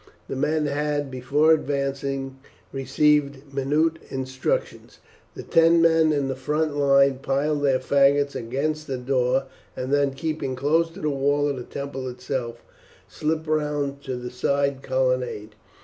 The men had, before advancing, received minute instructions. The ten men in the front line piled their faggots against the door, and then keeping close to the wall of the temple itself, slipped round to the side colonnade.